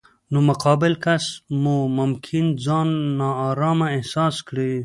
نو مقابل کس مو ممکن ځان نا ارامه احساس کړي.